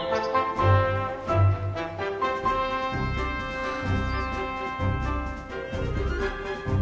はあ。